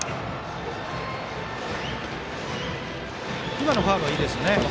今のファウルはいいですね。